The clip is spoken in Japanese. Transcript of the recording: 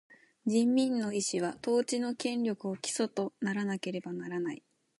人民の意思は、統治の権力を基礎とならなければならない。